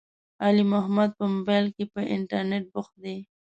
علي محمد په مبائل کې، په انترنيت بوخت دی.